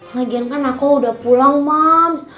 ngegian kan aku udah pulang mams